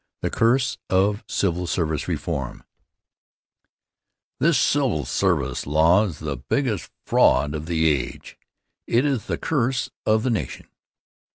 The Curse of Civil Service Reform This civil service law is the biggest fraud of the age. It is the curse of the nation.